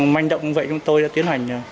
manh động như vậy chúng tôi đã tiến hành